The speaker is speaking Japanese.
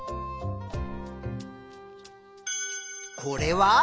これは？